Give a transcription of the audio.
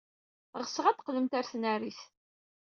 Ɣseɣ ad d-teqqlemt ɣer tnarit.